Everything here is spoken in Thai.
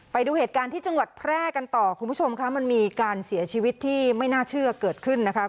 ไปดูเหตุการณ์ที่จังหวัดแพร่กันต่อคุณผู้ชมค่ะมันมีการเสียชีวิตที่ไม่น่าเชื่อเกิดขึ้นนะคะ